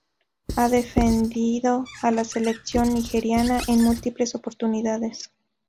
Ha defendido a la selección nigeriana en múltiples oportunidades.